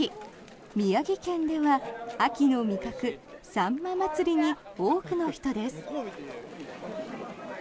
宮城県では秋の味覚、さんま祭りに多くの人です。